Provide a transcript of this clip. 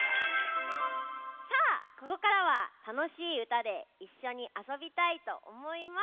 さあここからはたのしいうたでいっしょにあそびたいとおもいます。